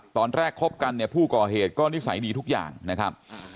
ตอนแรกคบกันเนี่ยผู้ก่อเหตุก็นิสัยดีทุกอย่างนะครับ